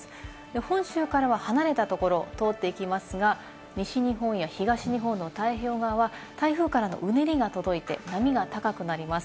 本州からは離れたところを通っていきますが、西日本や東日本の太平洋側は台風からのうねりが届いて波が高くなります。